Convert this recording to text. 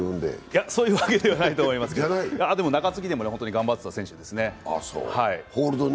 そういうわけではないと思います、中継ぎでもしっかり頑張っていた選手です。